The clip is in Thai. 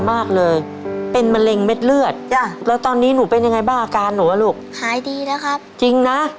มาอยู่กับป้าจ๋า